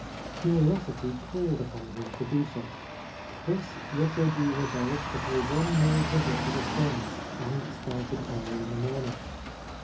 Curiosity called upon him to do so. Thus Yosoji resolved to pay one more visit to the spring, and started early in the morning.